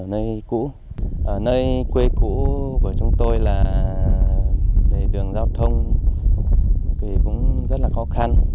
nơi cũ nơi quê cũ của chúng tôi là đường giao thông thì cũng rất là khó khăn